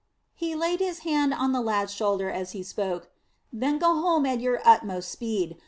he laid his hand on the lad's shoulder as he spoke "then go home at your utmost speed.